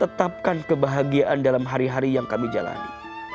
tetapkan kebahagiaan dalam hari hari yang kami jalani